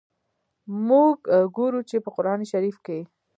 موږ ګورو چي، په قرآن شریف کي.